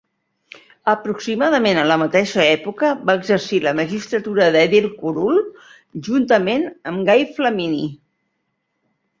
Aproximadament a la mateixa època va exercir la magistratura d'edil curul juntament amb Gai Flamini.